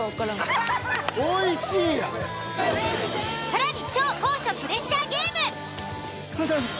更に超高所プレッシャーゲーム。